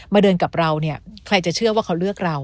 เดินกับเราเนี่ยใครจะเชื่อว่าเขาเลือกเรา